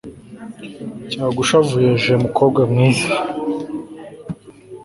cyagushavuje mukobwa mwiza